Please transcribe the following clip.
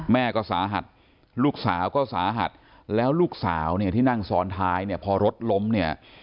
แม่ก็สาหัสลูกสาวก็สาหัสแล้วลูกสาวเนี่ยที่นั่งซ้อนท้ายเนี่ยพอรถล้มเนี่ย